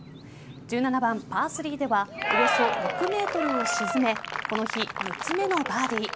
１７番パー３ではおよそ６ｍを沈めこの日６つ目のバーディー。